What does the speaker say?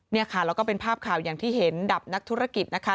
นี่ค่ะแล้วก็เป็นภาพข่าวอย่างที่เห็นดับนักธุรกิจนะคะ